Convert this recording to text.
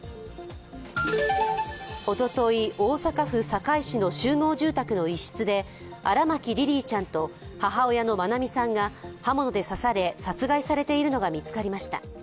おととい、大阪府堺市の集合住宅の一室で、荒牧リリィちゃんと母親の愛美さんが刃物で刺され、殺害されているのが見つかりました。